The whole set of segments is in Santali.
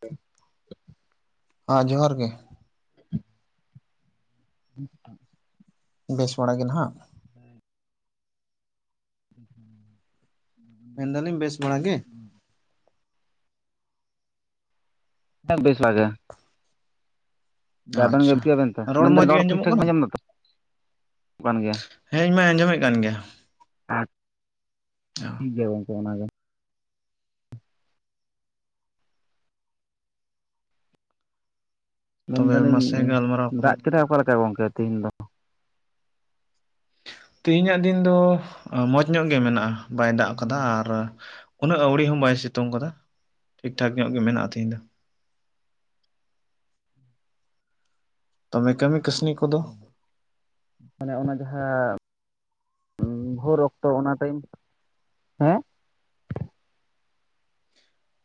ᱦ [inaudible] ᱟ ᱡᱚᱦᱟᱨ ᱜᱮ᱾ ᱵᱴ [inaudible] ᱵᱮᱥ ᱵᱟᱲᱟ ᱜᱮ ᱱᱟᱦᱟᱜ ᱦᱩᱸ [inaudible] ᱢᱮᱱ ᱫᱟᱞᱤᱧ ᱵᱮᱥ ᱵᱟᱲᱟ ᱜᱮ ᱛᱟ ᱵᱮᱥ ᱵᱟᱲᱟ ᱜᱮ᱾ ᱟᱵᱤᱱ ᱟᱪᱪᱷᱟ ᱜᱮᱯᱠᱮᱜ ᱟᱵᱤᱱ ᱛᱚ ᱨᱚᱲ ᱢᱮᱱᱫᱟᱹᱞᱤᱧ ᱢᱚᱸᱡᱽ ᱜᱮ ᱨᱚᱨ ᱴᱷᱤᱠ ᱟᱸᱡᱚᱢᱚᱜ ᱴᱷᱟᱠ ᱯᱮ ᱠᱟᱱᱟ ᱟᱡᱟᱢ ᱫᱟ ᱛᱚ ᱵᱟᱝ ᱜᱮ ᱦᱮᱸ ᱤᱧ ᱢᱟᱧ ᱟᱸᱡᱚᱢᱮᱫ ᱠᱟᱱ ᱜᱮᱭᱟ᱾ ᱟᱪ ᱴᱷᱤᱠ ᱜᱮᱭᱟ ᱜᱚᱝᱠᱮ ᱚᱱᱟᱜᱮ᱾ ᱢᱮᱱ ᱛᱚᱵᱮ ᱢᱟᱥᱮ ᱫᱟᱞᱤᱧ ᱜᱟᱞᱢᱟᱨᱟᱣ ᱫᱟᱜ ᱠᱚᱞᱟᱝ ᱠᱮᱫᱟᱭ ᱱᱤᱛᱚᱜ ᱚᱠᱟ ᱞᱮᱠᱟ ᱜᱚᱝᱠᱮ ᱛᱮᱦᱤᱧ ᱫᱚ᱾ ᱛᱮᱦᱤ ᱧᱟᱜ ᱫᱤᱱ ᱫᱚ ᱢᱚᱸᱡᱽ ᱧᱚᱜ ᱜᱮ ᱢᱮᱱᱟᱜᱼᱟ, ᱵᱟᱭ ᱫᱟᱜ ᱠᱟᱫᱟ᱾ ᱦᱮᱸ ᱟᱨ ᱩᱱᱟᱹᱜ ᱟᱹᱣᱲᱤ ᱦᱚᱸ ᱵᱟᱭ ᱥᱤᱛᱩᱝ ᱟᱠᱟᱫᱟ, ᱴᱷᱤᱠ ᱴᱷᱟᱠ ᱧᱚᱜ ᱜᱮ ᱢᱮᱱᱟᱜ-ᱟ ᱛᱮᱦᱮᱧ ᱫᱚ ᱛᱚᱢᱮ ᱠᱟᱹᱢᱤ ᱠᱟᱹᱥᱱᱤ ᱠᱚᱫᱚ ᱢᱟᱱᱮ ᱚᱱᱮ ᱡᱟᱦᱟᱸ ᱵᱷᱳᱨ ᱚᱠᱛᱚ ᱚᱱᱟ ᱴᱟᱭᱤᱢ ᱦᱮᱸ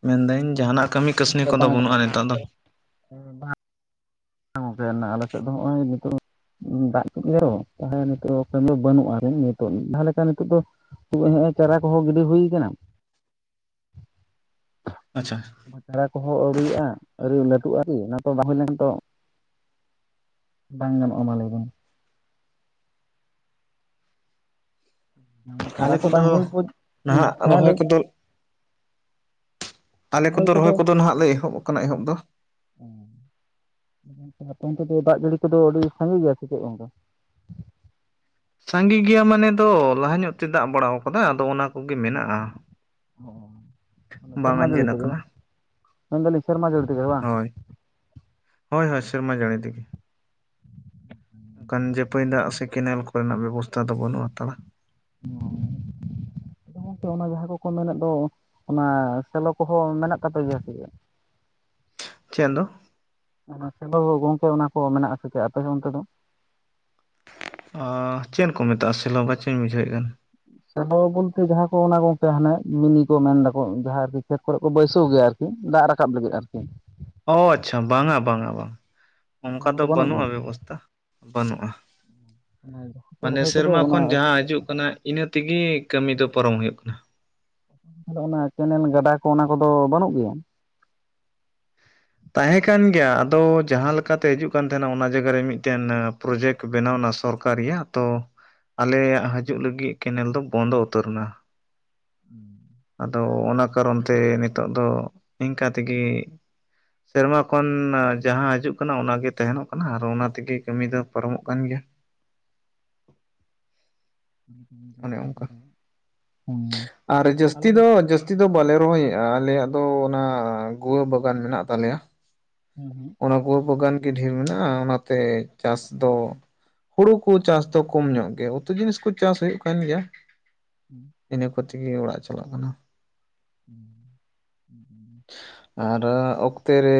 ᱢᱮᱱᱫᱟᱹᱧ ᱡᱟᱦᱟᱱᱟᱜ ᱠᱟᱹᱢᱤ ᱦᱮ ᱠᱟᱹᱥᱱᱤ ᱜᱟᱢᱠᱮ ᱠᱚᱫᱚ ᱵᱟᱝ ᱵᱟᱹᱱᱩᱜᱼᱟ ᱟᱡᱟᱢᱟᱜ ᱱᱤᱛᱚᱜ ᱫᱚ ᱠᱟᱱᱟ ᱦᱚᱸ ᱵᱟ ᱦᱮᱸ ᱜᱚᱝᱠᱮ ᱟᱱᱟ ᱟᱞᱮ ᱥᱮᱫ ᱫᱚ ᱱᱚᱛᱳᱜ ᱫᱟᱜ ᱠᱮᱜ ᱨᱮᱦᱚᱸ ᱛᱟᱦᱚᱞᱮ ᱱᱤᱛᱚᱜ ᱮᱠᱷᱚᱱ ᱫᱚ ᱵᱟᱹᱱᱩᱜᱼᱟ ᱨᱤᱱ ᱱᱤᱛᱳᱜ ᱢᱤᱫ ᱫᱷᱟᱣ ᱞᱮᱠᱟ ᱱᱤᱛᱳᱜ ᱫᱚ ᱛᱳᱦᱮᱜ ᱮ ᱪᱟᱨᱟ ᱠᱚᱦᱚᱸ ᱜᱤᱰᱤ ᱦᱩᱭ ᱟᱠᱟᱱᱟ ᱟᱪᱪᱷᱟ ᱪᱲᱟ ᱠᱚᱦᱚᱸ ᱟᱹᱣᱩᱭᱼᱟ ᱟᱨᱣᱨᱤ ᱞᱟᱹᱴᱩᱜ ᱟᱨᱠᱤ ᱚᱱᱟ ᱠᱚ ᱵᱟᱝ ᱦᱩᱭ ᱞᱮᱱ ᱫᱚ ᱵᱟᱝ ᱜᱟᱱᱚᱜᱼᱟ ᱢᱟ ᱞᱟᱹᱭ ᱵᱤᱱ ᱚᱱᱟ ᱪᱟᱨᱟ ᱟᱞᱮ ᱠᱚ ᱠᱚᱫᱚ ᱵᱟᱝ ᱦᱩᱭ ᱱᱟᱦᱟᱜ ᱦᱮᱸ ᱨᱚᱦᱚᱭ ᱞᱟᱹᱭ ᱠᱚᱫᱚ ᱟᱞᱮ ᱠᱚᱫᱚ ᱨᱚᱦᱚᱭ ᱠᱚᱫᱚ ᱱᱟᱦᱜ ᱞᱮ ᱮᱦᱚᱵ ᱟᱠᱟᱱᱟ ᱮᱦᱚᱵ ᱫᱚ ᱟᱯᱮ ᱚᱱᱛᱮ ᱫᱚ ᱫᱟᱜ ᱡᱟᱹᱲᱤ ᱠᱚᱫᱚ ᱟᱹᱰᱤ ᱥᱟᱸᱜᱮ ᱜᱮᱭᱟ ᱥᱮ ᱪᱮᱫ ᱜᱚᱝᱠᱟ? ᱥᱟᱸᱜᱮ ᱜᱮᱭᱟ ᱢᱟᱱᱮ ᱫᱚ ᱞᱟᱦᱟ ᱧᱚᱜ ᱛᱮ ᱫᱟᱜ ᱵᱟᱲᱟ ᱠᱟᱫᱟ ᱟᱫᱚ ᱚᱱᱟ ᱠᱚᱜᱮ ᱢᱮᱱᱟᱜᱼᱟ᱾ ᱚ ᱵᱟᱝ ᱥᱮᱨᱢᱟ ᱡᱟᱲᱤ ᱟᱸᱡᱮᱫ ᱛᱮ ᱜᱚ ᱟᱠᱟᱱᱟ ᱢᱮᱱᱫᱟᱞᱤᱧ ᱥᱮᱨᱢᱟ ᱡᱟᱲᱤ ᱛᱮ ᱜᱮ ᱵᱟᱝ ᱦᱳᱭ ᱦᱳᱭ ᱦᱳ ᱥᱮᱨᱢᱟ ᱡᱟᱱᱤ ᱛᱮ ᱜᱮ ᱚᱱᱠᱟᱱ ᱡᱟᱹᱯᱟᱹᱭ ᱫᱟᱜ ᱥᱮ ᱠᱮᱱᱮᱞ ᱠᱚᱨᱮᱱᱟᱜ ᱵᱮᱵᱚᱥᱛᱟ ᱫᱚ ᱵᱟᱹᱱᱩᱜ ᱦᱟᱛᱟᱲᱟ ᱚᱻᱻ ᱟᱫᱚ ᱜᱟᱝᱠᱮ ᱚᱱᱟ ᱡᱟᱦᱟᱸ ᱠᱚᱠᱚ ᱢᱮᱱᱮᱫ ᱫᱚ ᱚᱱᱟ ᱥᱮᱞᱚᱠ ᱠᱚᱦᱚᱸ ᱢᱮᱱᱟᱜ ᱛᱟᱯᱮ ᱜᱮᱭᱟ ᱥᱮ ᱪᱮᱫ ᱫᱚ? ᱚᱱᱚ ᱥᱮᱞᱚ ᱜᱚᱝᱠᱮ ᱚᱱᱟ ᱠᱚ ᱢᱮᱱᱟᱜ ᱟᱥᱮ ᱪᱮᱫ ᱟᱯᱮ ᱦᱚᱸ ᱚᱱᱛᱮ ᱫᱚ? ᱪᱮᱫ ᱠᱚ ᱢᱮᱛᱟᱜᱼᱟ ᱥᱮᱞᱚ ᱵᱟᱪᱚᱧ ᱵᱩᱡᱷᱟᱹᱣᱮᱫ ᱠᱟᱱ? ᱥᱮᱞᱚ ᱵᱚᱞᱛᱮ ᱡᱟᱦᱟᱸ ᱠᱚ ᱚᱱᱟ ᱠᱚ ᱜᱚᱢᱠᱮ ᱦᱟᱱᱮ ᱢᱤᱱᱤ ᱠᱚ ᱢᱮᱱ ᱮᱫᱟᱠᱚ ᱡᱟᱦᱟᱸ ᱟᱨᱠᱤ ᱠᱷᱮᱛ ᱠᱚᱨᱮ ᱠᱚ ᱵᱟᱹᱭᱥᱟᱹᱣ ᱜᱮᱭᱟ ᱠᱤ ᱫᱟᱜ ᱨᱟᱠᱟᱵ ᱞᱟᱹᱜᱤᱫ ᱟᱨᱠᱤ ᱚ ᱟᱪᱪᱷᱟ ᱵᱟᱝᱟ ᱵᱟᱝᱟ ᱵᱟᱝᱟ ᱚᱱᱟ ᱚᱱᱠᱟ ᱫᱚ ᱠᱚᱫᱚ ᱵᱟᱹᱱᱩᱜ ᱜᱮᱭᱟ? ᱵᱟᱹᱱᱩᱜᱼᱟ ᱵᱮᱵᱚᱥᱛᱟ᱾ ᱵᱟᱹᱱᱩᱜᱼᱟ ᱚᱱᱟ ᱡᱟᱦᱟᱸ ᱠᱚ ᱢᱟᱱᱮ ᱨᱚᱦᱚᱭ ᱠᱚᱫᱚ ᱥᱮᱨᱢᱟ ᱚᱱᱟ ᱠᱷᱚᱱ ᱡᱟᱦᱟᱸ ᱦᱤᱡᱩᱜ ᱠᱟᱱᱟ᱾ ᱤᱱᱟᱹ ᱛᱮᱜᱮ ᱠᱟᱹᱢᱤ ᱫᱚ ᱯᱟᱨᱚᱢ ᱦᱩᱭᱩᱜ ᱠᱟᱱᱟ᱾ ᱚᱱᱟ ᱠᱮᱱᱮᱞ ᱜᱟᱰᱟ ᱠᱚ ᱚᱱᱟ ᱠᱚᱫᱚ ᱵᱟᱹᱱᱩᱜ ᱜᱮᱭᱟ? ᱛᱟᱦᱮᱸ ᱠᱟᱱ ᱜᱮᱭᱟ ᱟᱫᱚ ᱡᱟᱦᱟᱸ ᱞᱮᱠᱟᱛᱮ ᱦᱤᱡᱩᱜ ᱠᱟᱱ ᱛᱟᱦᱮᱱᱟ ᱚᱱᱟ ᱡᱟᱭᱜᱟ ᱨᱮ ᱢᱤᱫᱴᱮᱱ ᱯᱨᱚᱡᱮᱠᱴᱼᱼ ᱵᱮᱱᱟᱣᱱᱟ ᱥᱚᱨᱠᱟᱨᱤᱭᱟᱜ ᱛᱚᱼᱼ ᱟᱞᱮᱭᱟᱜ ᱦᱤᱡᱩᱜ ᱞᱟᱹᱜᱤᱫ ᱠᱮᱱᱮᱞ ᱫᱚ ᱵᱚᱱᱫᱚ ᱩᱛᱟᱹᱨ ᱮᱱᱟ᱾ ᱟᱫᱚ ᱚᱱᱟ ᱠᱟᱨᱚᱱ ᱛᱮ ᱱᱤᱛᱚᱜ ᱫᱚ ᱤᱱᱠᱟᱹ ᱛᱮᱜᱮ᱾ ᱥᱮᱨᱢᱟ ᱠᱷᱚᱱ ᱡᱟᱦᱟᱸ ᱦᱤᱡᱩᱜ ᱠᱟᱱᱟ ᱚᱱᱟᱜᱮ ᱛᱟᱦᱮᱱᱚᱜ ᱠᱟᱱᱟ ᱟᱨ ᱚᱱᱟ ᱛᱮᱜᱮ ᱠᱟᱹᱢᱤ ᱫᱚ ᱯᱟᱨᱚᱢᱚᱜ ᱠᱟᱱ ᱜᱮᱭᱟ᱾ ᱚᱱᱮ ᱚᱱᱠᱟ ᱦᱸ ᱟᱞᱮ ᱪᱮᱛ ᱫᱚ ᱵᱟᱞᱮ ᱨᱚᱦᱚᱭᱮᱫᱼᱟ ᱟᱞᱮᱭᱟᱜ ᱫᱚ ᱚᱱᱟ ᱜᱩᱣᱟᱹ ᱵᱟᱜᱟᱱ ᱢᱮᱱᱟᱜ ᱛᱟᱞᱮᱭᱟ᱾ [unintelligible] ᱚᱱᱟ ᱜᱩᱣᱟᱹ ᱵᱟᱜᱟᱱ ᱜᱮ ᱰᱷᱮᱨ ᱢᱮᱱᱟᱜᱼᱟ ᱚᱱᱟᱛᱮ ᱪᱟᱥ ᱫᱚ ᱦᱩᱲᱩ ᱠᱚ ᱪᱟᱥ ᱫᱚ ᱠᱚᱢ ᱧᱚᱜ ᱜᱮ ᱩᱛᱩ ᱡᱤᱱᱤᱥ ᱠᱚ ᱪᱟᱥ ᱦᱩᱭᱩᱜ ᱠᱟᱱ ᱜᱮᱭᱟ ᱦᱮᱸ ᱤᱱᱟᱹ ᱠᱚᱛᱮᱜᱮ ᱚᱲᱟᱜ ᱪᱟᱞᱟᱜ ᱠᱟᱱᱟ᱾ ᱦᱮᱸ ᱦᱮᱸ ᱟᱨ ᱚᱠᱛᱮ ᱨᱮᱼᱼ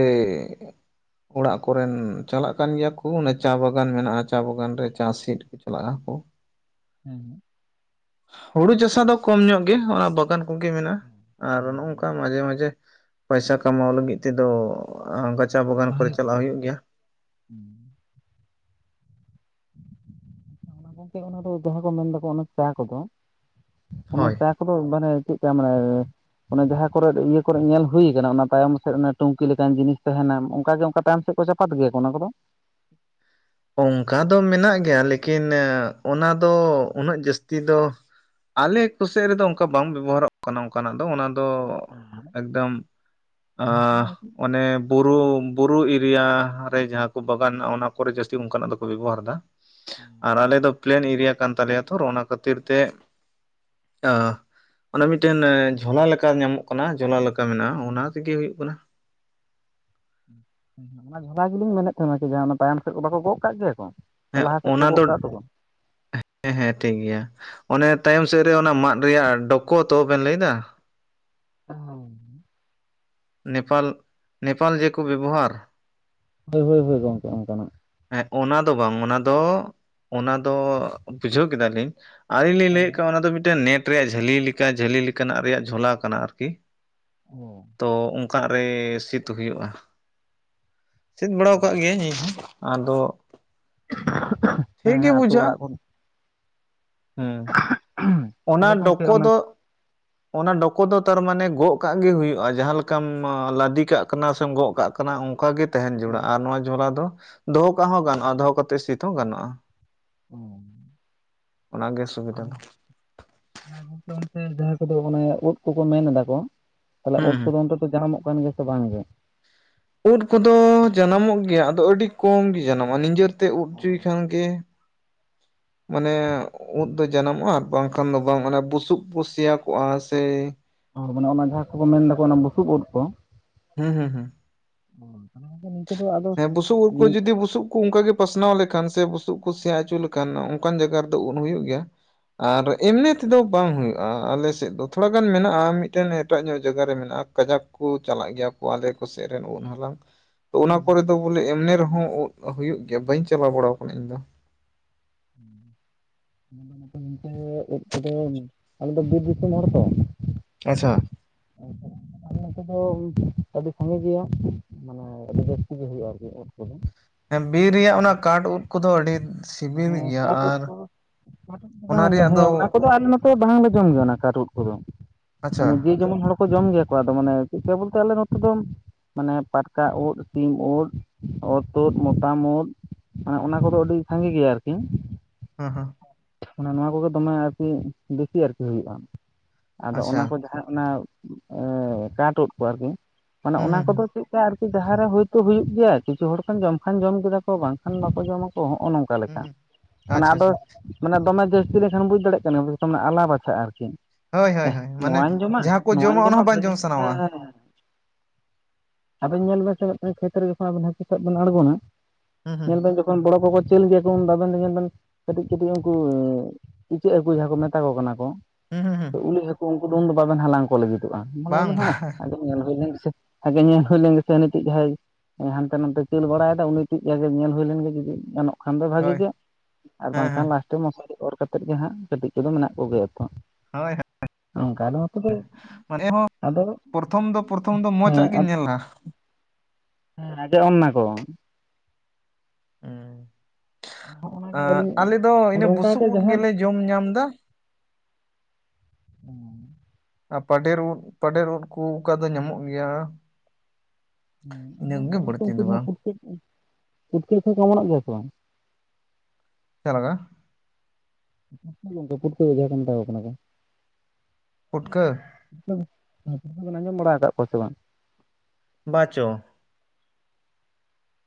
ᱚᱲᱟᱜ ᱠᱚᱨᱮᱱ ᱪᱟᱞᱟᱜ ᱠᱟᱱ ᱜᱮᱭᱟ ᱠᱚ ᱚᱱᱮ ᱪᱟ ᱵᱟᱜᱟᱱ ᱢᱮᱱᱟᱜᱼᱟ ᱪᱟ ᱵᱟᱜᱟᱱ ᱨᱮ ᱪᱟᱥᱤᱫ ᱪᱟᱞᱟᱜ ᱟᱠᱚ ᱦᱮᱸ ᱦᱩᱲᱩ ᱪᱟᱥᱟ ᱫᱚ ᱠᱚᱢ ᱧᱚᱜ ᱜᱮ ᱚᱱᱟ ᱵᱟᱜᱟᱱ ᱠᱚᱜᱮ ᱢᱮᱱᱟᱜᱼᱟ ᱟᱨ ᱱᱚᱜᱼ ᱱᱚᱝᱠᱟ ᱢᱟᱡᱷᱮ ᱢᱟᱡᱷᱮ ᱯᱚᱭᱥᱟ ᱠᱟᱢᱟᱣ ᱞᱟᱹᱜᱤᱫ ᱛᱮᱫᱚ ᱜᱟᱪᱟ ᱵᱟᱜᱟᱱ ᱠᱚᱨᱮ ᱪᱟᱞᱟᱜ ᱦᱩᱭᱩᱜ ᱜᱮᱭᱟ᱾ ᱦᱩᱸ ᱚᱱᱟ ᱜᱚᱝᱠᱮ ᱚᱱᱟ ᱫᱚ ᱡᱟᱦᱟᱸ ᱠᱚ ᱢᱮᱱ ᱫᱟᱠᱚ ᱚᱱᱟ ᱪᱟ ᱠᱚᱫᱚ ᱚᱱᱟ ᱦᱳᱭ ᱪᱟᱥ᱾ ᱢᱟᱱᱮ ᱪᱮᱫ ᱞᱮᱠᱟ? ᱢᱟᱱᱮ? ᱚᱱᱮ ᱡᱟᱦᱟᱸ ᱠᱚᱨᱮ ᱤᱭᱟᱹ ᱠᱚᱨᱮ ᱧᱮᱞ ᱦᱩᱭ ᱟᱠᱟᱱᱟ ᱚᱱᱟ ᱛᱟᱭᱚᱢ ᱥᱮᱫ ᱚᱱᱟ ᱴᱩᱱᱠᱤ ᱞᱮᱠᱟᱱ ᱡᱤᱱᱤᱥ ᱛᱟᱦᱮᱱᱟᱢ ᱚᱱᱠᱟ ᱜᱮ ᱚᱱᱠᱟ ᱛᱟᱭᱚᱢ ᱥᱮ ᱥᱮᱫᱠᱚ ᱪᱟᱯᱟᱫ ᱜᱮᱭᱟᱠᱚ ᱚᱱᱟ ᱠᱚᱫᱚ ᱚᱱᱠᱟ ᱫᱚ ᱢᱮᱱᱟᱜ ᱜᱮᱭᱟ ᱞᱮᱠᱤᱱ ᱚᱱᱟ ᱫᱚ ᱩᱱᱟᱹᱜ ᱡᱟᱹᱥᱛᱤ ᱫᱚ ᱟᱞᱮ ᱠᱚᱥᱮᱫ ᱨᱮᱫᱚ ᱚᱱᱠᱟ ᱵᱟᱝ ᱵᱮᱵᱚᱦᱟᱨᱚᱜ ᱠᱟᱱᱟ ᱚᱱᱠᱟᱱᱟᱜ ᱫᱚ ᱚᱱᱟ ᱫᱚ, ᱮᱠᱫᱚᱢ, ᱚᱱᱮ ᱵᱩᱨᱩ ᱵᱩᱨᱩ ᱮᱨᱤᱭᱟ ᱨᱮ ᱡᱟᱦᱟᱸ ᱠᱚ ᱵᱟᱜᱟᱱ ᱦᱮᱱᱟᱜ ᱚᱱᱟ ᱠᱚᱨᱮ ᱡᱟᱹᱥᱼᱼ ᱛᱤ ᱚᱱᱠᱟᱱᱟᱜ ᱫᱚᱠᱚ ᱵᱮᱵᱚᱦᱟᱨ ᱫᱟ᱾ ᱟᱨ ᱟᱞᱮ ᱫᱚ ᱯᱞᱮᱱ ᱮᱨᱤᱭᱟ ᱠᱟᱱ ᱛᱟᱞᱮᱭᱟ ᱛᱚ ᱚᱱᱟ ᱠᱷᱟᱹᱛᱤᱨ ᱛᱮ ᱮ᱾ ᱚᱱᱮ ᱢᱤᱫᱴᱮᱱ ᱡᱷᱚᱞᱟ ᱞᱮᱠᱟ ᱧᱟᱢᱚᱜ ᱠᱟᱱᱟ ᱡᱷᱚᱞᱟ ᱞᱮᱠᱟ ᱢᱮᱱᱟᱜᱼᱟ ᱚᱱᱟ ᱛᱮᱜᱮ ᱦᱩᱭᱩᱜ ᱠᱟᱱᱟ᱾ ᱚᱱᱟ ᱡᱷᱟᱞᱟ ᱜᱮᱞᱤᱧ ᱢᱮᱱᱮᱫ ᱛᱟᱦᱮᱱᱟ ᱠᱤ ᱡᱟᱦᱟᱸ ᱚᱱᱟ ᱛᱟᱭᱚᱢ ᱥᱮᱫ ᱠᱚ ᱵᱟᱠᱚ ᱜᱚᱜ ᱠᱟᱜ ᱜᱮᱭᱟ ᱠᱚ᱾ ᱥᱮ ᱦᱮᱸ ᱞᱟᱦᱟ ᱥᱮᱫ ᱠᱚ ᱚᱱᱟ ᱜᱚᱜ ᱫᱚ ᱠᱟᱜ ᱫᱚᱠᱚ ᱦᱮᱸ ᱦᱮᱸ ᱴᱷᱤᱠ ᱜᱮᱭᱟ ᱚᱱᱮ ᱛᱟᱭᱚᱢ ᱥᱮᱫ ᱨᱮ ᱚᱱᱟ ᱢᱟᱫ ᱨᱮᱭᱟᱜ ᱰᱳᱠᱳ ᱛᱚ ᱵᱮᱱ ᱞᱟᱹᱭ ᱫᱟ᱾ ᱦᱮᱢ ᱱᱮᱯᱟᱞ ᱱᱮᱯᱟᱞ ᱡᱮᱠᱚ ᱵᱮᱵᱚᱦᱟᱨ? ᱦᱳᱭ ᱦᱳᱭ ᱦᱳᱭ ᱜᱚᱢᱠᱮ ᱚᱱᱠᱟᱱᱟᱜ᱾ ᱦᱮᱸ ᱚᱱᱟ ᱫᱚ ᱵᱟᱝ ᱚᱱᱟ ᱫᱚ ᱚᱱᱟ ᱫᱚ ᱵᱩᱡᱷᱟᱹᱣ ᱠᱮᱫᱟ ᱞᱤᱧ, ᱟᱨᱞᱤᱧ ᱞᱤᱧ ᱦᱮᱸ ᱞᱟᱹᱭᱮᱫ ᱠᱟᱱ ᱚᱱᱟ ᱫᱚ ᱢᱤᱫᱴᱮᱱ ᱱᱮᱴ ᱨᱮᱭᱟᱜ ᱡᱷᱟᱹᱞᱤ ᱞᱮᱠᱟ ᱡᱷᱟᱹᱞᱤ ᱞᱮᱠᱟ ᱱᱟᱜ ᱨᱮᱭᱟᱜ ᱡᱷᱚᱞᱟ ᱠᱟᱱᱟ ᱟᱨᱠᱤ᱾ ᱛᱚ ᱚᱝᱠᱟᱜ ᱨᱮ ᱥᱤᱫᱽ ᱦᱩᱭᱩᱜᱼᱟ, ᱪᱮᱫ ᱵᱟᱲᱟᱣ ᱠᱟᱜ ᱜᱮᱭᱤᱭᱟᱹᱧ ᱤᱧ ᱦᱚᱸ ᱟᱫᱚ ᱴᱷᱤᱠ ᱦᱮᱸ ᱜᱮ ᱟᱹᱛᱩ ᱚᱲᱟᱜ ᱵᱩᱡᱟᱹᱜᱼᱟ ᱠᱚ ᱦᱩᱸ᱾ ᱚᱱᱟ ᱛᱟᱦᱚᱞᱮ ᱜᱚᱝᱠᱮ ᱰᱚᱠᱚ ᱚᱱᱟ ᱫᱚ ᱚᱱᱟ ᱰᱚᱠᱚ ᱫᱚ ᱛᱟᱨᱢᱟᱱᱮ ᱜᱚᱜ ᱠᱟᱜ ᱜᱮ ᱦᱩᱭᱩᱜᱼᱟ ᱡᱟᱦᱟᱸ ᱞᱮᱠᱟᱢ ᱞᱟᱫᱮ ᱠᱟᱜ ᱠᱟᱱᱟ ᱥᱮᱢ ᱜᱚᱜ ᱠᱟᱜ ᱠᱟᱱᱟ ᱚᱱᱠᱟ ᱜᱮ, ᱛᱟᱦᱮᱸᱱ ᱡᱩᱲᱟ ᱟᱨ ᱱᱚᱣᱟ ᱡᱷᱚᱞᱟ ᱫᱚ ᱫᱚᱦᱚ ᱠᱟᱜ ᱦᱚᱸ ᱜᱟᱱᱚᱜᱼᱟ ᱫᱚᱦᱚ ᱠᱟᱛᱮ ᱥᱤᱛ ᱦᱚᱸ ᱜᱟᱱᱚᱜᱼᱟ᱾ ᱚ ᱚᱱᱟ ᱜᱮ ᱥᱩᱵᱤᱫᱷᱟ ᱫᱚ᱾ ᱚᱱᱮ ᱜᱚᱝᱠᱮ ᱡᱟᱦᱟᱸᱭ ᱠᱚᱫᱚ ᱚᱱᱟ ᱧᱩᱛᱩᱢ ᱛᱮ ᱡᱟᱸᱦᱟᱭ ᱠᱚ ᱫᱚ ᱳᱫ ᱚᱱᱮ ᱳᱫ ᱠᱚ ᱠᱚ ᱢᱮᱱ ᱮᱫᱟ ᱠᱚ ᱛᱟᱦᱚᱞᱮ ᱦᱩᱸ ᱩᱫ ᱦᱩᱸ ᱠᱚᱫᱚ ᱚᱱᱛᱮ ᱡᱟᱱᱟᱢᱚᱜ ᱡᱟᱱᱟᱢ ᱜᱮ ᱛᱚ ᱵᱟᱝ ᱜᱮ ᱩᱫ ᱠᱚᱫᱚ ᱡᱟᱱᱟᱢᱚᱜ ᱜᱮᱭᱟ ᱟᱫᱚ ᱟᱹᱰᱤ ᱠᱚᱢ ᱜᱮ ᱡᱟᱱᱟᱢᱚᱜᱼᱟ ᱱᱤᱡᱮᱨᱛᱮ ᱩᱫ ᱦᱚᱪᱚᱭ ᱠᱷᱟᱱ ᱜᱮ, [inaudible] ᱢᱟᱱᱮᱻ ᱩᱫ ᱫᱚ ᱡᱟᱱᱟᱢᱚᱜᱼᱟ ᱟᱨ ᱵᱟᱝᱠᱷᱟᱱ ᱫᱚ ᱵᱟᱝ ᱚᱱᱟ ᱵᱩᱥᱩᱵ ᱵᱚ ᱥᱮᱭᱟᱠᱚᱜᱼᱟ ᱥᱮ, ᱟᱨ ᱢᱟᱱᱮ ᱚᱱᱟ ᱡᱟᱦᱟᱸ ᱠᱚᱵᱚ ᱢᱮᱱ ᱫᱟᱠᱚ ᱚᱱᱟ ᱵᱩᱥᱩᱵ ᱩᱫ ᱠᱚ ᱦᱩᱸ ᱦᱩᱸ ᱦᱩᱸ [unintelligible] ᱦᱮᱸ ᱵᱩᱥᱩᱵ ᱩᱫ ᱠᱚ ᱢᱤᱫ ᱡᱫᱤ ᱵᱩᱥᱩᱵ, ᱠᱩ ᱚᱱᱠᱟ ᱜᱮ ᱯᱟᱥᱱᱟᱣ ᱞᱮᱠᱷᱟᱱ ᱥᱮ ᱵᱩᱥᱩᱵ ᱠᱚ ᱥᱮᱭᱟ ᱦᱚᱪᱚ ᱞᱮᱠᱷᱟᱱ ᱚᱱᱠᱟᱱ ᱡᱟᱭᱜᱟ ᱨᱮᱫᱚ ᱩᱫ ᱦᱩᱭᱩᱜ ᱜᱮᱭᱟ, ᱟᱨ ᱮᱢᱱᱤ ᱛᱮᱫᱚ ᱵᱟᱝ ᱦᱩᱭᱩᱜᱼᱟ ᱟᱞᱮ ᱥᱮᱫ ᱫᱚ ᱛᱷᱚᱲᱟ ᱜᱟᱱ ᱢᱮᱱᱟᱜᱼᱟ ᱢᱤᱫᱴᱮᱱ ᱮᱴᱟᱜ ᱧᱚᱜ ᱡᱟᱜᱟ ᱨᱮ ᱢᱮᱱᱟᱜᱼᱟ, ᱠᱟᱡᱟᱠ ᱠᱩ ᱪᱟᱞᱟᱜ ᱜᱮᱭᱟ ᱠᱚ ᱟᱞᱮ ᱠᱚ ᱥᱮᱫ ᱨᱮᱱ ᱩᱫ ᱦᱟᱞᱟᱝ [unintelligible] ᱛᱚ ᱚᱱᱟ ᱠᱚᱨᱮ ᱫᱚ ᱵᱚᱞᱮ ᱮᱢᱱᱮ ᱨᱮᱦᱚᱸ ᱩᱫ ᱦᱩᱭᱩᱜ ᱜᱮᱭᱟ ᱵᱟᱹᱧ ᱪᱟᱞᱟᱣ ᱵᱟᱲᱟ ᱠᱟᱱᱟ ᱤᱧ ᱫᱚ, [unintelligible] [unintelligible] ᱩᱫ ᱠᱚᱫᱚ ᱟᱞᱮ ᱫᱚ ᱵᱤᱨ ᱫᱤᱥᱚᱢ ᱦᱚᱲ ᱛᱚ ᱟᱪᱪᱷᱟ ᱟᱞᱮ ᱱᱚᱛᱮ ᱫᱚ ᱟᱹᱰᱤ ᱥᱟᱜᱮ ᱜᱮᱭᱟ ᱢᱟᱱᱮ ᱟᱹᱰᱤ ᱡᱟᱹᱥᱛᱤ ᱜᱮ ᱦᱩᱭᱩᱜᱼᱟ ᱟᱨᱠᱤ ᱩᱫ ᱠᱚᱫᱚ ᱦᱮᱸ ᱵᱤᱨ ᱨᱮᱭᱟᱜ ᱚᱱᱟ ᱠᱟᱴ ᱩᱫ ᱠᱚᱫᱚ ᱟᱹᱰᱤ ᱥᱤᱵᱤᱞ ᱦᱮᱸ ᱜᱮᱭᱟ ᱠᱟᱴ ᱩᱫ ᱟᱨ, ᱠᱚ ᱚᱱᱟ [unintelligible] ᱨᱮᱭᱟᱜ ᱦᱮᱸ ᱫᱚ ᱚᱱᱟ ᱠᱚᱫᱚ ᱟᱞᱮ ᱱᱚ ᱛᱚ ᱵᱟᱝᱞᱮ ᱡᱚᱢ ᱜᱮᱭᱟ ᱚᱱᱟ ᱠᱟᱴ ᱩᱫ ᱠᱚᱫᱚ ᱟᱪᱪᱷᱟ ᱢᱟᱱᱮ ᱡᱮ ᱡᱮᱢᱚᱱ ᱦᱚᱲ ᱠᱚ ᱡᱚᱢ ᱜᱮᱭᱟ ᱠᱚ ᱟᱫᱚ ᱢᱟᱱᱮ ᱢᱟᱱᱮ ᱪᱮᱫᱠᱟ ᱵᱚᱞᱛᱮ ᱟᱞᱮ ᱱᱚᱛᱮ ᱫᱚᱢ ᱢᱟᱱᱮ ᱯᱟᱴᱠᱟ ᱩᱫ ᱥᱤᱢ ᱩᱫ ᱚᱨ ᱛᱩᱫ ᱢᱚᱛᱟᱢ ᱩᱫ, ᱢᱟᱱᱮ ᱚᱱᱟ ᱠᱚᱫᱚ ᱟᱹᱰᱤ ᱥᱟᱸᱜᱮ ᱜᱮᱭᱟ ᱟᱨᱠᱤ ᱦᱮᱸ ᱦᱮᱸ ᱢᱟᱱᱮ ᱱᱚᱣᱟ ᱠᱚᱜᱮ ᱫᱚᱢᱮ ᱟᱨᱠᱤ ᱵᱤᱥᱤ ᱟᱨᱠᱤ ᱦᱩᱭᱩᱜᱼᱟ, ᱟᱫᱚ ᱟᱪᱪᱷᱟ ᱚᱱᱟ ᱠᱚ ᱡᱟᱦᱟᱸ ᱚᱱᱟ ᱠᱟᱴ ᱩᱫ ᱠᱚ ᱟᱨᱠᱤ ᱢᱟᱱᱮ ᱦᱩᱸ ᱚᱱᱟ ᱦᱩᱸ ᱠᱚᱫᱚ ᱦᱩᱸ ᱪᱮᱫ ᱠᱟ ᱟᱨᱠᱤ ᱡᱟᱦᱟᱸᱨᱮ ᱦᱳᱭᱛᱳ ᱦᱩᱭᱩᱜ ᱜᱮᱭᱟ ᱠᱤᱪᱷᱩ ᱦᱚᱲ ᱠᱷᱟᱱ ᱡᱚᱢ ᱠᱷᱟᱱ ᱡᱚᱢ ᱠᱮᱫᱟ ᱠᱚ ᱵᱟᱝᱠᱷᱟᱱ ᱵᱟᱠᱚ ᱡᱚᱢᱟ ᱠᱚ ᱱᱚᱜ-ᱚ ᱱᱚᱝᱠᱟ, ᱚᱠᱟ ᱦᱩᱸ ᱞᱮᱠᱟ ᱦᱩᱸ ᱢᱟᱱᱮ ᱟᱪᱪᱷᱟ ᱟᱫᱚ, ᱟᱪᱪᱷᱟ ᱢᱟᱱᱮ ᱫᱚᱢ ᱡᱟᱹᱥᱛᱤ ᱞᱮᱠᱷᱟᱱ ᱵᱩᱡᱽ ᱫᱟᱲᱮᱭᱟᱜ ᱠᱟᱱᱟᱢ ᱫᱤᱥᱚᱢ ᱟᱞᱟ ᱵᱟᱪᱷᱟᱜ-ᱟ ᱟᱨᱠᱤ, ᱦᱳᱭ ᱦᱳᱭ ᱮᱦ ᱦᱳᱭ ᱢᱟᱱᱮ ᱱᱚᱣᱟᱧ ᱡᱚᱢᱟ ᱡᱟᱦᱟᱸ ᱠᱚ ᱱᱚᱣᱟᱧ ᱡᱚᱢᱟ ᱚᱱᱟ ᱦᱚᱸ ᱵᱟᱝ ᱵᱷᱟᱹᱜᱤ ᱡᱚᱢ ᱥᱟᱱᱟᱣᱟ᱾ ᱦᱮᱸ ᱦᱮᱸ ᱟᱫᱚᱮᱱ ᱧᱮᱞ ᱵᱮᱱ ᱥᱮ ᱢᱤᱫᱴᱟᱝ ᱠᱷᱮᱛ ᱨᱮ ᱡᱚᱠᱷᱚᱱ ᱟᱵᱮᱱ ᱦᱟᱹᱠᱩ ᱥᱟᱮᱫ ᱵᱤᱱ ᱟᱬᱜᱳᱱᱟ ᱦᱩᱸ ᱦᱩᱸ ᱧᱮᱞ ᱵᱮᱱ ᱡᱚᱠᱷ ᱡᱚᱠᱷᱚᱱ ᱵᱚᱲᱚ ᱠᱚᱠᱚ ᱪᱟᱹᱞ ᱜᱮᱭᱟ ᱠᱚ ᱩᱱ ᱟᱵᱮᱱ ᱫᱚ ᱧᱮᱞ ᱵᱮᱱ ᱠᱟᱹᱴᱤᱡ ᱠᱟᱹᱴᱤᱡ ᱩᱱᱠᱩ ᱤᱪᱟᱹᱜ ᱦᱟᱹᱠᱩ ᱡᱟᱦᱟᱸ ᱠᱚ ᱢᱮᱛᱟ ᱠᱚ ᱠᱟᱱᱟ ᱠᱚ᱾ ᱦᱩᱸ ᱦᱩᱸ ᱦᱩᱸ ᱩᱞᱤ ᱦᱟᱹᱠᱩ ᱩᱱᱠᱩ ᱫᱚ ᱩᱱ ᱫᱚ ᱵᱟᱵᱮᱱ ᱦᱟᱞᱟᱝ ᱠᱚ ᱞᱟᱹᱜᱤᱫᱚᱜᱼᱟ ᱢᱟᱱᱮ ᱵᱟᱝ ᱦᱮᱸ ᱵᱟᱝ ᱟᱫᱚ ᱧᱮᱞ ᱦᱩᱭ ᱞᱮᱱ ᱜᱮᱥᱮ ᱟᱜᱮ ᱧᱮᱞ ᱦᱩᱭ ᱞᱮᱱ ᱜᱮᱥᱮ ᱱᱤᱛᱳᱜ ᱡᱟᱦᱟᱸᱭ ᱦᱟᱱᱛᱮ ᱱᱟᱛᱮ ᱪᱟᱹᱲᱟ ᱵᱟᱲᱟᱭᱮᱫᱟᱭ ᱩᱱᱤ ᱴᱤᱡ ᱡᱟᱜᱮ ᱧᱮᱞ ᱦᱩᱭ ᱞᱮᱱ ᱜᱮ ᱡᱩᱫᱤ ᱜᱟᱱᱚᱜᱼᱟ, ᱵᱟᱝᱠᱷᱟᱱ ᱫᱚ ᱵᱷᱟᱜᱤ ᱦᱳᱭ ᱜᱮ ᱟᱨ ᱦᱮᱸ ᱦᱮᱸ ᱵᱟᱝᱠᱷᱟᱱ ᱞᱟᱥᱴᱮ ᱢᱚᱥᱟᱨᱤ ᱚᱨ ᱠᱟᱛᱮᱜ ᱜᱮ ᱦᱟᱸᱜ ᱠᱟᱹᱴᱤᱡ ᱠᱚᱫᱚ ᱢᱮᱱᱟᱜ ᱠᱚᱜᱮᱭᱟ ᱛᱚ, ᱦᱳᱭ ᱱᱚᱝᱠᱟ ᱫᱚ ᱱᱚᱛᱮ ᱫᱚ ᱦᱳᱭ ᱢᱟᱱᱮ ᱦᱚᱸ ᱟᱫᱚ ᱯᱨᱚᱛᱷᱚᱢ ᱫᱚ ᱯᱨᱚᱛᱷᱚᱢ ᱫᱚ ᱢᱚᱸᱡᱽᱟᱜ ᱜᱤᱧ ᱧᱮᱞ ᱞᱟᱜ-ᱟ᱾ ᱦᱮᱸ ᱱᱟᱡᱚᱜ ᱮᱢ ᱱᱟᱠᱚ ᱩ ᱦᱚᱜᱼᱚ ᱱᱟ ᱜᱮ ᱮᱫ ᱟᱞᱮ ᱟᱹᱞᱤᱧ ᱫᱚ ᱟᱨ ᱤᱱᱟᱹ ᱚᱱᱠᱟ ᱵᱩᱥᱩᱵ ᱜᱮ ᱩᱫ ᱡᱟᱦᱟᱸ ᱜᱮᱞᱮ ᱡᱚᱢ ᱧᱟᱢ ᱫᱟ ᱚᱸ ᱟ ᱯᱟᱰᱮᱨ ᱩᱫ ᱯᱟᱰᱮᱨ ᱳᱫ ᱠᱚ ᱚᱠᱟ ᱫᱚ ᱧᱟᱢᱚᱜ ᱜᱮᱭᱟ ᱩ ᱟᱨ ᱤᱱᱟᱹ ᱠᱚᱜᱮ ᱟᱨ ᱵᱟᱹᱲᱛᱤ ᱩᱱᱠᱩ ᱫᱚ ᱡᱟᱦᱟᱸ ᱵᱟᱝ ᱯᱩᱴᱠᱟ. ᱯᱩᱴᱠᱟ. ᱞᱮᱠᱟ ᱠᱚ ᱚᱢᱚᱱᱚᱜ ᱜᱮᱭᱟ ᱥᱮ ᱵᱟᱝ ᱪᱮᱫ ᱞᱮᱠᱟ [inaudible] ᱯᱩᱴᱠᱟᱹ ᱜᱮ ᱡᱟᱸᱦᱟ ᱠᱚ ᱢᱮᱛᱟ ᱠᱚ ᱠᱟᱱᱟ ᱯᱩᱴᱠᱟᱹ ᱯᱩᱴᱠᱟ. ᱦᱮ ᱯᱩᱴᱠᱟ. ᱵᱤᱱ ᱟᱸᱡᱚᱢ ᱵᱟᱲᱟ ᱟᱠᱟᱫ ᱠᱚᱣᱟ ᱥᱮ ᱵᱟᱝ ᱵᱟᱪᱚ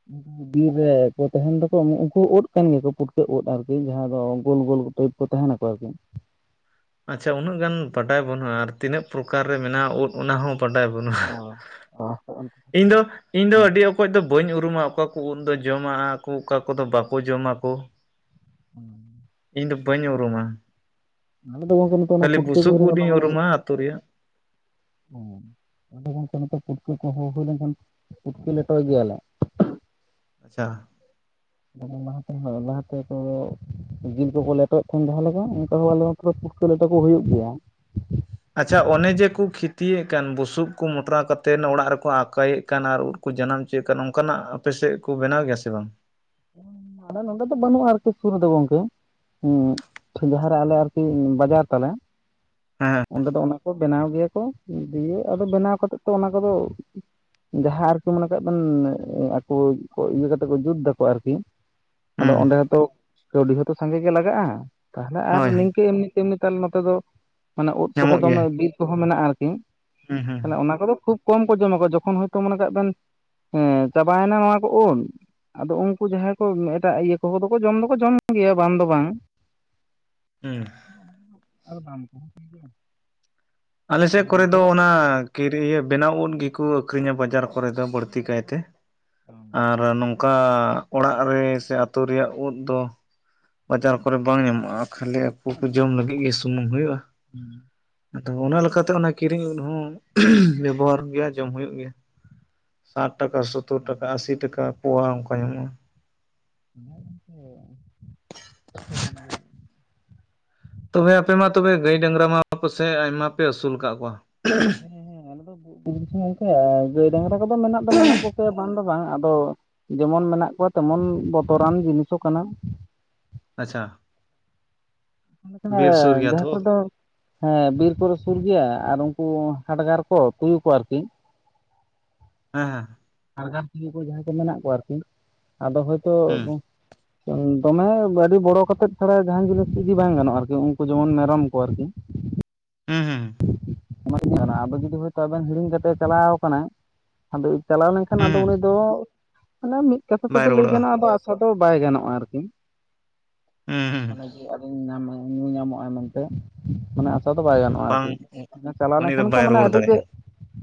[unintelligible] ᱵᱤᱨ ᱨᱮ ᱠᱚ ᱛᱟᱦᱮᱱ ᱫᱚᱠᱚ ᱱᱩᱜ ᱩᱠᱩ ᱳᱫ ᱠᱟᱱ ᱜᱮᱭᱟᱠᱚ ᱯᱩᱴᱠᱟᱹ‌ ᱳᱫ ᱟᱨᱠᱤ ᱡᱟᱦᱟᱸ ᱫᱚ ᱜᱳᱞ ᱜᱳᱞ ᱴᱟᱭᱤᱯ ᱠᱚ ᱛᱟᱦᱮᱱᱟᱠᱚ ᱟᱨᱠᱤ ᱟᱪᱷᱟ ᱩᱱᱟᱹᱜ ᱜᱟᱱ ᱵᱟᱰᱟᱭ ᱵᱟᱹᱱᱩᱜᱼᱟ ᱟᱨ ᱛᱤᱱᱟᱹᱜ ᱯᱨᱚᱠᱟᱨ ᱨᱮ ᱢᱮᱱᱟᱜᱼᱟ ᱳᱫ ᱚᱱᱟ ᱦᱚᱸ ᱵᱟᱰᱟᱭ ᱵᱟ. ᱱᱩᱜᱼᱟ ᱤᱧ ᱫᱚ ᱤᱧ ᱫᱚ ᱟᱹᱰᱤ ᱚᱠ ᱠᱚᱡ ᱫᱚ ᱵᱟᱹᱧ ᱩᱨᱩᱢᱟ ᱚᱠᱟᱠᱚ ᱳᱫ ᱫᱚ ᱡᱚᱢᱟᱜᱼᱟᱜ ᱠᱚ ᱚᱠᱟ ᱠᱚᱫᱚ ᱵᱟᱠᱚ ᱡᱚᱢᱟ ᱠᱚ ᱚ ᱤᱧ ᱫᱚ ᱵᱟᱹᱧ ᱩᱨᱩᱢᱟ ᱟᱞᱮ ᱫᱚ ᱜᱚᱝᱠᱮ ᱱᱤᱛᱚᱜ ᱚᱱᱟ ᱠᱷᱟᱹᱞᱤ ᱯᱩᱴᱠᱟᱹ ᱠᱚ ᱵᱩᱥᱩᱵ ᱦᱩᱭ ᱩᱫ ᱞᱮᱠᱷᱟᱱ ᱤᱧ [unintelligible] ᱩᱨᱩᱢᱟ ᱟᱹᱛᱩ ᱨᱮᱭᱟᱜ ᱚ ᱟᱫᱚ ᱜᱚᱝᱠᱮ ᱱᱚᱛᱮ ᱯᱩᱴᱠᱟ. ᱠᱚᱦᱚ ᱦᱳᱭ ᱞᱮᱱᱠᱷᱟᱱ ᱯᱩᱴᱠᱟ. ᱞᱮᱴᱚᱭ ᱜᱮᱭᱟᱞᱮ ᱟᱪᱟ ᱫᱚᱢᱮ ᱞᱟᱦᱟᱛᱮ ᱦᱚᱸ ᱞᱟᱦᱟᱛᱮ ᱚᱠᱚᱭ ᱠᱚ ᱡᱤᱞ ᱠᱚᱠᱚ ᱞᱮᱴᱚᱭᱮᱫ ᱛᱟᱸᱦᱮᱫ ᱡᱟᱸᱦᱟ ᱞᱮᱠᱟ ᱚᱱᱠᱟ ᱦᱚᱸ ᱟᱞᱮ ᱟᱫᱚ ᱯᱩᱴᱠᱟᱹ ᱞᱮᱴᱚ ᱠᱚ ᱦᱩᱭᱩᱜ ᱜᱮᱭᱟ ᱟᱪᱪᱷᱟ ᱚᱱᱮ ᱡᱮᱠᱚ ᱠᱷᱤᱛᱤᱭᱮᱫ ᱠᱟᱱ ᱵᱩᱥᱩᱵ ᱠᱚ ᱢᱚᱴᱨᱟ ᱠᱟᱛᱮᱫ ᱚᱲᱟᱜ ᱨᱮᱠᱚ ᱟᱸᱠᱟᱭᱮᱫ ᱠᱟᱱ ᱟᱨ ᱩᱫ ᱠᱚ ᱡᱟᱱᱟᱢ ᱪᱚᱭᱮᱫ ᱠᱟᱱ ᱱᱚᱝᱠᱟᱱᱟᱜ ᱟᱯᱮᱥᱮᱫ ᱠᱚ ᱵᱮᱱᱟᱣ ᱜᱮᱭᱟ ᱥᱮ ᱵᱟᱝ ᱟᱞᱮ ᱱᱚᱸᱰᱮ ᱫᱚ ᱵᱟᱹᱱᱩᱜᱼᱟ ᱟᱨᱠᱤ ᱥᱩᱨ ᱨᱮ ᱫᱚ ᱜᱚᱝᱠᱮ ᱦᱩ ᱡᱟᱦᱟᱸᱨᱮ ᱟᱞᱮ ᱟᱨᱠᱤ ᱵᱟᱡᱟᱨ ᱛᱟᱞᱮ ᱦᱮᱸ ᱚᱸᱰᱮ ᱫᱚ ᱚᱱᱟ ᱠᱚ ᱵᱮᱱᱟᱣ ᱜᱮᱭᱟ ᱠᱚ ᱫᱤᱭᱮ ᱟᱫᱚ ᱵᱮᱱᱟᱣ ᱠᱟᱛᱮᱫ ᱛᱚ ᱚᱱᱟ ᱠᱚᱫᱚ ᱡᱟᱦᱟᱸ ᱟᱨᱠᱤ ᱢᱚᱱᱮ ᱠᱟᱜ ᱵᱮᱱ ᱟᱠᱚ ᱠᱚ ᱤᱭᱟᱹ ᱠᱟᱛᱮ ᱠᱚ ᱡᱩᱛ ᱫᱟ ᱠᱚ ᱟᱨᱠᱤ ᱟᱫᱚ ᱦᱩᱸ ᱚᱸᱰᱮ ᱦᱚᱸᱛᱚ ᱠᱟᱹᱣᱰᱤ ᱦᱚᱸᱛᱚ ᱥᱟᱸᱜᱮ ᱜᱮ ᱞᱟᱜᱟᱜᱼᱟ ᱛᱟᱦᱚᱞᱮ ᱟᱨ ᱦᱳᱭ ᱦᱳᱭ ᱱᱤᱝᱠᱟᱹ ᱮᱢᱱᱤ ᱛᱮᱢᱱᱤ ᱛᱟᱦᱚᱞᱮ ᱱᱚᱛᱮ ᱫᱚ ᱢᱟᱱᱮ ᱳᱫ ᱠᱚᱦᱚᱸ ᱧᱟᱢᱚᱜ ᱜᱮᱭᱟ ᱫᱚᱢᱮ ᱵᱤᱨ ᱠᱚᱦᱚᱸ ᱢᱮᱱᱟᱜᱼᱟ ᱟᱨᱠᱤ ᱦᱩᱸ ᱦᱩᱸ ᱢᱮ ᱚᱱᱟ ᱠᱚᱫᱚ ᱠᱷᱩᱵ ᱠᱚᱢ ᱠᱚ ᱡᱚᱢᱟ ᱠᱚ ᱡᱚᱠᱷᱚᱱ ᱦᱚᱭᱛᱚ ᱢᱚᱱᱮ ᱠᱟᱜ ᱵᱮᱱ ᱮ ᱪᱟᱵᱟᱭᱱᱟ ᱱᱚᱣᱟ ᱠᱚ ᱳᱫ ᱟᱫᱚ ᱩᱱᱠᱩ ᱡᱟᱦᱟᱸᱭ ᱠᱚ ᱮᱴᱟᱜ ᱤᱭᱟᱹ ᱠᱚᱦᱚ ᱫᱚᱠᱚ ᱡᱚᱢ ᱫᱚᱠᱚ ᱡᱚᱢ ᱜᱮᱭᱟ ᱵᱟᱝ ᱫᱚ ᱵᱟᱝ ᱦᱩᱸ ᱚᱱᱟ ᱟᱨ ᱫᱟᱢ ᱠᱚᱦᱚᱸ ᱴᱷᱤᱠ ᱜᱮᱭᱟ ᱟᱞᱮᱥᱮᱫ ᱠᱚᱨᱮ ᱫᱚ ᱚᱱᱟ ᱠᱤᱨᱤᱭᱟᱹ ᱵᱮᱱᱟᱣ ᱳᱫ ᱜᱮᱠᱚ ᱟᱹᱠᱷᱨᱤᱧᱟ ᱵᱟᱡᱟᱨ ᱠᱚᱨᱮ ᱫᱚ ᱵᱟᱹᱲᱛᱤ ᱠᱟᱭᱛᱮ ᱵᱟᱝ᱾ ᱟᱨ ᱱᱚᱝᱠᱟ ᱚᱲᱟᱜ ᱨᱮ ᱥᱮ ᱟᱛᱳ ᱨᱮᱭᱟᱜ ᱳᱫ ᱫᱚ ᱵᱟᱡᱟᱨ ᱠᱚᱨᱮ ᱵᱟᱝ ᱧᱟᱢᱚᱜᱼᱟ ᱠᱷᱟᱹᱞᱤ ᱟᱠᱚ ᱠᱚ ᱡᱚᱢ ᱞᱟᱹᱜᱤᱫ ᱜᱮ ᱥᱩᱢᱩᱝ ᱦᱩᱭᱩᱜᱼᱟ ᱩ ᱫᱚ ᱚᱱᱟ ᱞᱮᱠᱟᱛᱮ ᱚᱱᱟ ᱠᱤᱨᱤᱧ ᱩᱫ ᱦᱚᱸ ᱵᱮᱵᱚᱦᱟᱨ ᱜᱮᱭᱟ ᱡᱚᱢ ᱦᱩᱭᱩᱜ ᱜᱮᱭᱟ ᱥᱟᱴ ᱴᱟᱠᱟ ᱥᱳᱛᱳᱨ ᱴᱟᱠᱟ ᱟᱥᱤ ᱴᱟᱠᱟ ᱯᱳᱣᱟ ᱚᱱᱠᱟ ᱧᱟᱢᱚᱜᱼᱟ ᱦᱮ ᱜᱚᱢᱠᱮ ᱟ. ᱰᱤ ᱤᱭᱟ. ᱛᱚᱵᱮ ᱟᱯᱮ ᱢᱟ ᱛᱚᱵᱮ ᱜᱟᱹᱭ ᱰᱟᱝᱨᱟ ᱢᱟ ᱯᱟᱥᱮᱡ ᱟᱭᱢᱟ ᱯᱮ ᱟᱹᱥᱩᱞ ᱟᱠᱟᱫ ᱠᱚᱣᱟ ᱦᱮᱸ ᱦᱮᱸ ᱟᱞᱮ ᱫᱚ [unintelligible] ᱜᱚᱝᱠᱮ ᱜᱟᱹᱭ ᱰᱟᱝᱨᱟ ᱠᱚᱫᱚ ᱢᱮᱱᱟᱜ ᱫᱚ ᱢᱮᱱᱟᱜ ᱠᱚᱜᱮᱭᱟ ᱵᱟᱝ ᱫᱚ ᱵᱟᱝ ᱟᱫᱚ ᱡᱮᱢᱚᱱ ᱢᱮᱱᱟᱜ ᱠᱚᱣᱟ ᱛᱮᱢᱚᱱ ᱵᱚᱛᱚᱨᱟᱱ ᱡᱤᱱᱤᱥ ᱦᱚᱸ ᱠᱟᱱᱟ ᱟᱪᱷᱟ [unintelligible] ᱡᱟᱦᱟᱸ ᱠᱚᱨᱮ ᱫᱚ ᱦᱮᱸ ᱵᱤᱨ ᱠᱚᱨᱮ ᱥᱩᱨ ᱜᱮᱭᱟ ᱟᱨ ᱩᱱᱠᱩ ᱦᱟᱰᱜᱟᱨ ᱠᱚ ᱛᱩᱭᱩ ᱠᱚ ᱟᱨᱠᱤ [inaudible] ᱦᱮᱸ ᱦᱮᱸ ᱾ ᱦᱟᱰᱜᱟᱨ ᱠᱚ [unintelligible] ᱡᱟᱦᱟᱸᱭ ᱠᱚ ᱢᱮᱱᱟᱜ ᱠᱚᱣᱟ ᱟᱨᱠᱤ, ᱟᱫᱚ ᱦᱳᱭᱛᱳ ᱦᱮᱸ ᱫᱚᱢᱮ ᱟᱹᱰᱤ ᱵᱚᱲᱚ ᱠᱟᱛᱮᱫ ᱪᱷᱟᱲᱟ ᱡᱟᱦᱟᱸᱱ ᱡᱤᱱᱤᱥ ᱤᱫᱤ ᱵᱟᱝ ᱜᱟᱱᱚᱜᱼᱟ ᱟᱨᱠᱤ, ᱩᱱᱠᱩ ᱡᱮᱢᱚᱱ ᱢᱮᱨᱚᱢ ᱠᱚ ᱟᱨᱠᱤ ᱾ ᱦᱩᱸ ᱦᱩᱸ ᱾ ᱚᱱᱟ ᱜᱤᱧ ᱢᱮᱱᱟ ᱟᱫᱚ ᱡᱩᱫᱤ ᱦᱚᱭᱛᱚ ᱟᱵᱮᱱ ᱦᱤᱲᱤᱧ ᱠᱟᱛᱮᱜ ᱪᱟᱞᱟᱣ ᱠᱟᱱᱟᱭ᱾ ᱟᱫᱚ ᱪᱟᱞᱟᱣ ᱞᱮᱱᱠᱷᱟᱱ ᱟᱫᱚ ᱦᱩᱸ ᱩᱱᱤ ᱫᱚ, ᱢᱟᱱᱮ ᱢᱤᱫ ᱠᱟᱛᱷᱟ ᱵᱟᱭ ᱛᱮᱫᱚ ᱞᱟᱹᱭ ᱨᱩᱣᱟᱹᱲᱚᱜᱼᱟ ᱜᱟᱱᱚᱜᱼᱟ ᱟᱫᱚ ᱟᱫᱚ ᱵᱟᱭ ᱜᱟᱱᱚᱜᱼᱟ ᱟᱨᱠᱤ ᱾ ᱦᱩᱸ ᱦᱩᱸ ᱾ [unintelligible] ᱧᱩ ᱧᱟᱢᱚᱜᱼᱟ ᱢᱮᱱᱛᱮ, ᱚᱱᱟ ᱫᱚ ᱵᱟᱭ ᱦᱩᱸ ᱜᱟᱱᱚᱜᱼᱟ ᱵᱟᱝ ᱟᱨᱠᱤ ᱪᱟᱞᱟᱣ ᱩᱱᱤ ᱫᱚ ᱞᱮᱱᱠᱷᱟᱱ ᱠᱚ ᱵᱟᱭ ᱢᱟᱱᱮ ᱨᱩᱣᱟᱹᱲ ᱟᱹᱰᱤ ᱜᱮ ᱫᱟᱲᱮᱭᱟᱜᱼᱟ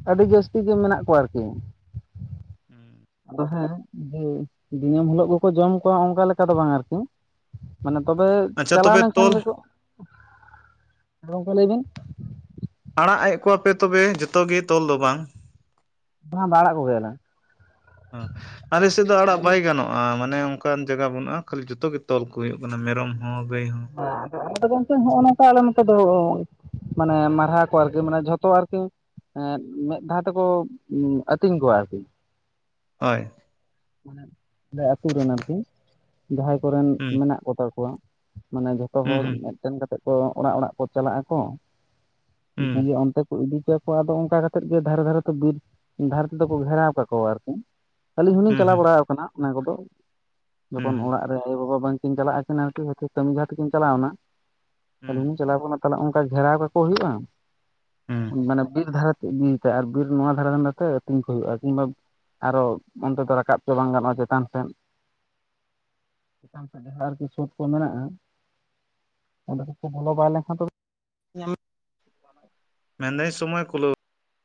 ᱟᱹᱰᱤ ᱡᱟᱹᱥᱛᱤ ᱜᱮ ᱢᱮᱱᱟᱜ ᱠᱚᱣᱟ ᱟᱨᱠᱤ ᱾ ᱦᱩᱸ ᱾ ᱦᱮᱸ ᱡᱮ ᱫᱤᱱᱟᱹᱢ ᱦᱤᱞᱳᱜ ᱜᱮᱠᱚ ᱡᱚᱢ ᱠᱚᱣᱟ ᱚᱱᱠᱟ ᱞᱮᱠᱟ ᱫᱚ ᱵᱟᱝ ᱟᱨᱠᱤ ᱾ ᱢᱟᱱᱮ ᱛᱚᱵᱮ ᱟᱪᱪᱷᱟ ᱪᱟᱞᱟᱣ ᱛᱚᱵᱮ ᱞᱮᱱᱠᱷᱟᱱ ᱛᱚᱞ ᱜᱮᱠᱚ, ᱜᱚᱝᱠᱮ ᱞᱟᱹᱭ ᱵᱤᱱ ᱾ ᱟᱲᱟᱜ ᱮᱫ ᱠᱚᱣᱟᱯᱮ ᱛᱚᱵᱮ ᱡᱚᱛᱚ ᱜᱮ ᱛᱚᱞ ᱫᱚ ᱵᱟᱝ ᱾ ᱵᱟᱝ ᱵᱟᱝ ᱟᱲᱟᱜ ᱠᱚ ᱜᱮᱭᱟᱞᱮ ᱾ ᱦᱚᱸ ᱟᱞᱮ ᱥᱮᱫ ᱫᱚ ᱟᱲᱟᱜ ᱵᱟᱭ ᱜᱟᱱᱚᱜᱼᱟ ᱾ ᱢᱟᱱᱮ ᱚᱱᱠᱟᱱ ᱡᱟᱭᱜᱟ ᱵᱟᱹᱱᱩᱜᱼᱟ, ᱠᱷᱟᱹᱞᱤ ᱡᱚᱛᱚ ᱜᱮ ᱛᱚᱞ ᱠᱚ ᱦᱩᱭᱩᱜ ᱠᱟᱱᱟ ᱢᱮᱨᱚᱢ ᱦᱚᱸ ᱜᱟᱹᱭ ᱦᱚᱸ ᱾ ᱟᱫᱚ ᱜᱚᱢᱠᱮ ᱦᱚᱸᱜ-ᱚ ᱱᱚᱝᱠᱟ ᱟᱞᱮ ᱱᱚᱛᱮ ᱫᱚ ᱢᱟᱱᱮ ᱢᱟᱨᱦᱟ ᱠᱚ ᱟᱨᱠᱤ, ᱢᱟᱱᱮ ᱡᱷᱚᱛᱚ ᱟᱨᱠᱤ ᱮᱸᱫ ᱢᱮᱫ ᱫᱷᱟᱣ ᱛᱮᱠᱚ ᱟᱹᱛᱤᱧ ᱠᱚᱣᱟ ᱟᱨᱠᱤ ᱾ ᱦᱳᱭ ᱾ ᱢᱟᱱᱮ [unintelligible] ᱟᱛᱳ ᱨᱮᱱ ᱟᱨᱠᱤ, ᱡᱟᱦᱟᱸᱭ ᱠᱚᱨᱮᱱ ᱦᱩᱸ ᱢᱮᱱᱟᱜ ᱠᱚ ᱛᱟᱠᱚᱣᱟ ᱾ ᱢᱟᱱᱮ ᱡᱷᱚᱛᱚ ᱦᱩᱸ ᱦᱚᱲ ᱦᱩᱸ ᱢᱤᱫᱴᱮᱱ ᱠᱟᱛᱮᱫ ᱠᱚ ᱚᱲᱟᱜ ᱚᱲᱟᱜ ᱠᱚ ᱪᱟᱞᱟᱜ ᱟᱠᱚ ᱾ ᱦᱩᱸ ᱡᱩᱫᱤ ᱚᱱᱛᱮ, ᱤᱫᱤ ᱠᱚᱣᱟ ᱠᱚ ᱟᱫᱚ ᱚᱱᱠᱟ ᱠᱟᱛᱮᱫ ᱜᱮ ᱫᱷᱟᱨᱮ ᱫᱷᱟᱨᱮ ᱛᱮ ᱵᱤᱨ ᱫᱷᱟᱨᱮ ᱛᱮᱫᱚ ᱠᱚ ᱜᱷᱮᱨᱟᱣ ᱠᱟᱠᱚᱣᱟ ᱟᱨᱠᱤ ᱾ ᱟᱹᱞᱤᱧ ᱦᱚᱸᱞᱤᱧ ᱦᱩᱸ ᱪᱟᱞᱟᱣ ᱦᱩᱸ ᱵᱟᱲᱟ ᱟᱠᱟᱱᱟ ᱚᱱᱟ ᱠᱚᱫᱚ, ᱦᱩᱸ ᱡᱚᱠᱷᱚᱱ ᱦᱩᱸ ᱚᱲᱟᱜ ᱟᱭᱳ ᱵᱟᱵᱟ ᱵᱟᱝᱠᱤᱱ ᱪᱟᱞᱟᱜᱼᱟᱠᱤᱱ ᱠᱟᱹᱢᱤ ᱡᱟᱦᱟᱸ ᱛᱮᱠᱤᱱ ᱪᱟᱞᱟᱣᱱᱟ, ᱦᱩᱸ ᱟᱞᱤᱧᱞᱤᱧ ᱪᱟᱞᱟᱣ ᱛᱟᱦᱚᱞᱮ ᱚᱱᱠᱟ ᱜᱷᱮᱨᱟᱣ ᱠᱟᱠᱚ ᱦᱩᱭᱩᱜᱼᱟ, ᱦᱩᱸ ᱢᱟᱱᱮ ᱵᱤᱨ ᱫᱷᱟᱨᱮ [unintelligible] ᱟᱨ ᱵᱤᱨ ᱱᱚᱣᱟ ᱫᱷᱟᱨᱮ ᱨᱮᱱ ᱱᱚᱛᱮ ᱟᱹᱛᱤᱧ ᱠᱚ ᱦᱩᱭᱩᱜᱼᱟ, ᱠᱤᱝᱵᱟ ᱟᱨᱚ ᱚᱱᱛᱮ ᱫᱚ ᱨᱟᱠᱟᱵ ᱚᱪᱚ ᱵᱟᱝ ᱜᱟᱱᱚᱜᱼᱟ ᱪᱮᱛᱟᱱ ᱥᱮᱫ ᱪᱮᱛᱟᱱ ᱥᱮᱫ ᱡᱟᱦᱟᱸ ᱟᱨᱠᱤ ᱥᱳᱫᱽ ᱠᱚ ᱢᱮᱱᱟᱜᱼᱟ ᱾ ᱚᱸᱰᱮ ᱠᱚᱠᱚ ᱵᱚᱞᱚ ᱵᱟᱭ ᱞᱮᱱᱠᱷᱟᱱ ᱫᱚ, [unintelligible] ᱢᱮᱱᱫᱟᱹᱧ ᱥᱚᱢᱚᱭ ᱠᱩᱞᱟᱹᱣ